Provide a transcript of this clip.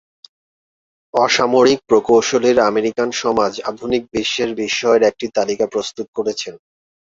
অসামরিক প্রকৌশলীর আমেরিকান সমাজ আধুনিক বিশ্বের বিস্ময়ের একটি তালিকা প্রস্তুত করেছেন।